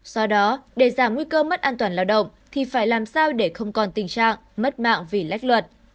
do đó để giảm nguy cơ mất an toàn lao động thì phải làm sao để không còn tình trạng mất mạng vì lách luật